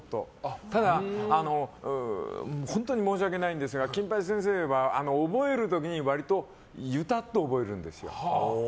ただ、本当に申し訳ないんですが金八先生は覚える時に割とゆたって覚えるんですよ。